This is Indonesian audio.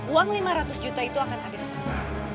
uang lima ratus juta itu akan ada di tempat